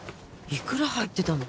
いくら入ってたの？